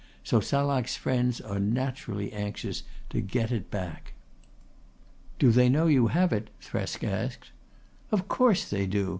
So Salak's friends are naturally anxious to get it back." "Do they know you have it?" Thresk asked. "Of course they do.